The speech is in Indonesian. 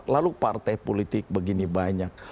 lalu partai politik begini banyak